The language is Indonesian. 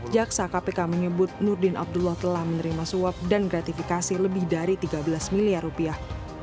jaksa kpk menyebut nurdin abdullah telah menerima suap dan gratifikasi lebih dari tiga belas miliar rupiah